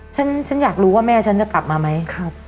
ฉันอยากรู้ว่าแม่ฉันจะกลับมาไหม